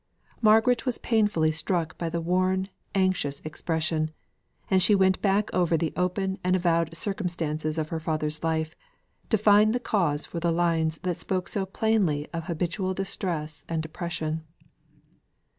Margaret was painfully struck by the worn, anxious expression; and she went back over the open and avowed circumstances of her father's life, to find the cause for the lines that spoke so plainly of habitual distress and depression.